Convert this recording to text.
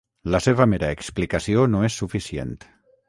La seva mera explicació no és suficient.